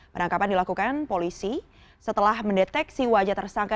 penangkapan dilakukan polisi setelah mendeteksi wajah tersangka